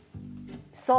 そう。